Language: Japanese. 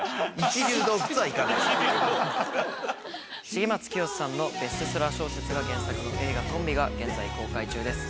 重松清さんのベストセラー小説が原作の映画『とんび』が現在公開中です。